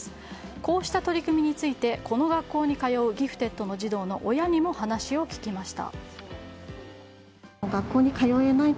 こうした取り組みについてこの学校に通うギフテッドの児童の親にも話を聞きました。